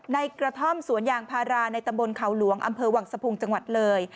ในกระท่อมสวนยางพาราในตำบลเขาหลวงอำเภอวังสะพุงจังหวัดเลย